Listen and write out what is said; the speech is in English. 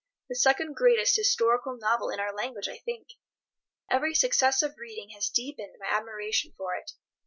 The second greatest historical novel in our language, I think. Every successive reading has deepened my admiration for it.